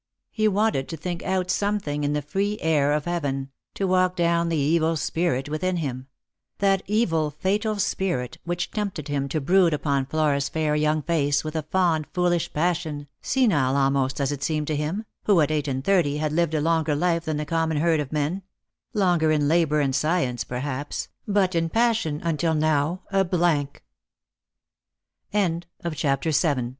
He wanted to think out something in the free air of heaven, to walk down the evil spirit within him ; that evil fatal spirit which tempted him to brood upon Flora's fair young face with a fond foolish passion, senile almost as it seemed to him, who at eight and thirty had lived a longer life than the common herd of men — longer in labour and science, perhaps, but in passion until now